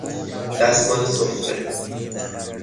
دستمال سفره